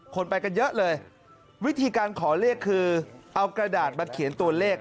คนไปกันเยอะเลยวิธีการขอเลขคือเอากระดาษมาเขียนตัวเลข